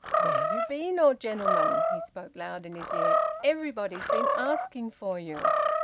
"Where you been, old gentleman?" He spoke loud in his ear. "Everybody's been asking for you.